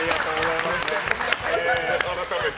改めて。